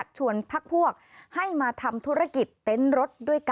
ฟังเสียงลูกจ้างรัฐตรเนธค่ะ